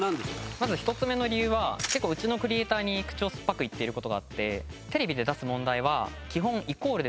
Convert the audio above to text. まず１つ目の理由はうちのクリエイターに口を酸っぱく言っていることがあってテレビで出す問題は。